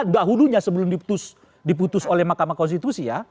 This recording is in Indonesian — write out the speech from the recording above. dahulunya sebelum diputus oleh mahkamah konstitusi ya